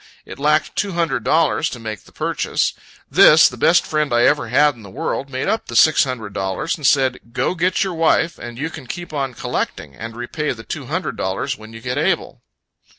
It lacked two hundred dollars to make the purchase. This, the best friend I ever had in the world, made up the six hundred dollars, and said, "Go, get your wife; and you can keep on collecting, and repay the two hundred dollars when you get able."